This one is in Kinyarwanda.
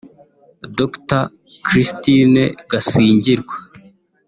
Dr Christine Gasingirwa